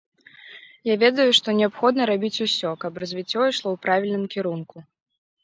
Я ведаю, што неабходна рабіць усё, каб развіццё ішло ў правільным кірунку.